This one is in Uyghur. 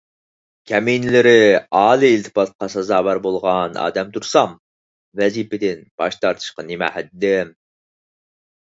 كەمىنىلىرى ئالىي ئىلتىپاتقا سازاۋەر بولغان ئادەم تۇرسام، ۋەزىپىدىن باش تارتىشقا نېمە ھەددىم؟